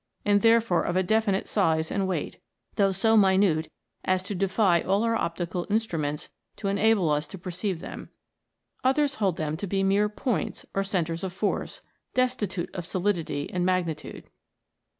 and therefore of a definite size and weight, though so minute as to defy all our optical instruments to enable us to perceive them ; others hold them to be mere points or centres of force, destitute of solidity and magnitude.